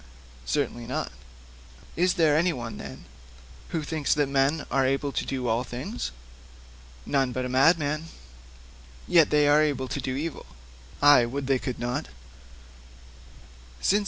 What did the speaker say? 'Certainly not.' 'Is there anyone, then, who thinks that men are able to do all things?' 'None but a madman.' 'Yet they are able to do evil?' 'Ay; would they could not!'